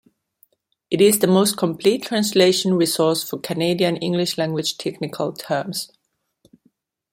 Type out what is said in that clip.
It is the most complete translation resource for Canadian English-language technical terms.